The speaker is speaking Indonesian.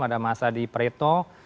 ada mas adi preto